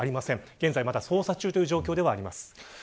現在まだ捜査中という状況です。